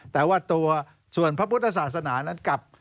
แต่ว่าตัวส่วนพระพุทธศาสนานั้นกลับ